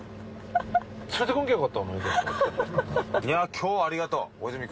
イヤ今日はありがとう！